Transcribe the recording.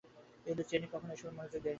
কিন্তু চেনি কখনও এসবে মনোযোগ দেয়নি।